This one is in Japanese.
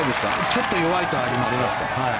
ちょっと弱いとあります。